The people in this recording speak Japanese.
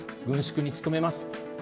軍縮に努めます。